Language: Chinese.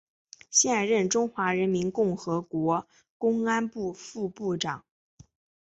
现任中华人民共和国公安部副部长。